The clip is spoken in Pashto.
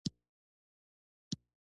دا وروستي ساعتونه مې لږ هیجاني او مضطرب وو.